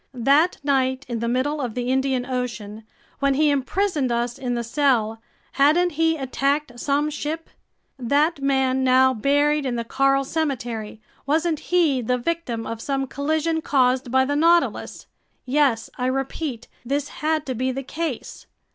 That night in the middle of the Indian Ocean, when he imprisoned us in the cell, hadn't he attacked some ship? That man now buried in the coral cemetery, wasn't he the victim of some collision caused by the Nautilus? Yes, I repeat: this had to be the case.